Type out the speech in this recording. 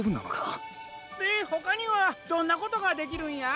でほかにはどんなことができるんや？